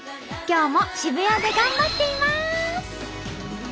今日も渋谷で頑張っています！